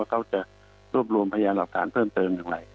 เขาจะรวบรวมพยานหลักฐานเพิ่มเติมอย่างไร